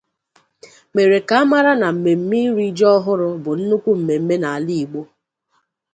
mere ka a mara na mmemme iri ji ọhụrụ bụ nnukwu mmemme n'ala Igbo